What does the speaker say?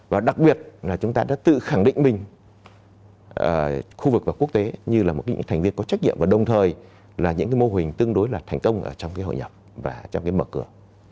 và đặc biệt là chúng ta đã tự khẳng định mình khu vực và quốc tế như là một thành viên có trách nhiệm và đồng thời là những cái mô hình tương đối là thành công ở trong cái hội nhập và trong cái mở cửa